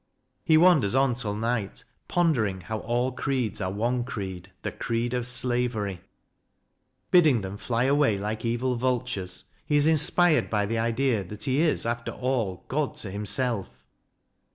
He wanders on till night, pondering how all creeds 198 CRITICAL STUDIES are one creed the creed of slavery. Bidding them fly away like evil vultures, he is inspired by the idea that he is, after all, God to himself.